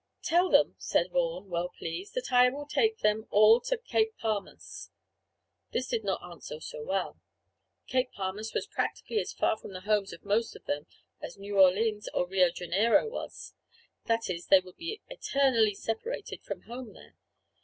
"Tell them," said Vaughan, well pleased, "that I will take them all to Cape Palmas." This did not answer so well. Cape Palmas was practically as far from the homes of most of them as New Orleans or Rio Janeiro was; that is they would be eternally separated from home there.